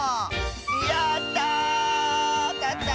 やった！